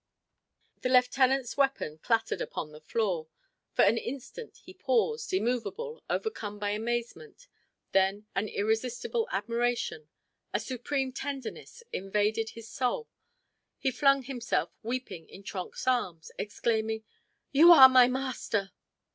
The lieutenant's weapon clattered upon the floor. For an instant he paused, immovable, overcome by amazement; then an irresistible admiration a supreme tenderness, invaded his soul. He flung himself, weeping, in Trenck's arms, exclaiming: "You are my master!"